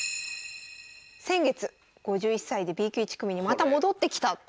先月５１歳でＢ級１組にまた戻ってきた。